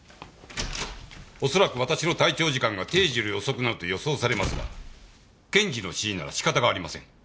恐らく私の退庁時間が定時より遅くなると予想されますが検事の指示なら仕方がありません。